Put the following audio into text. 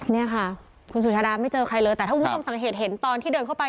เนี่ยค่ะคุณสุชาดาไม่เจอใครเลยแต่ถ้าคุณผู้ชมสังเกตเห็นตอนที่เดินเข้าไป